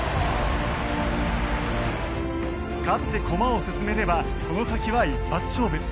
勝って駒を進めればこの先は一発勝負。